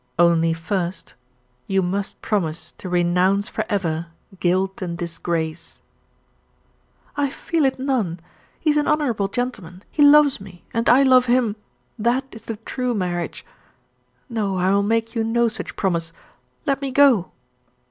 "Only, first you must promise to renounce for ever guilt and disgrace." "I feel it none. He is an honourable gentleman he loves me, and I love him. That is the true marriage. No, I will make you no such promise. Let me go."